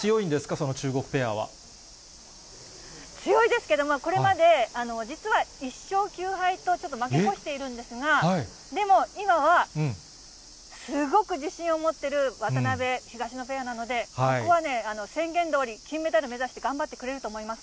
その中国ペア強いですけど、これまで実は、１勝９敗と、ちょっと負け越しているんですが、でも、今はすごく自信を持ってる渡辺・東野ペアなので、ここはね、宣言どおり、金メダル目指して頑張ってくれると思います。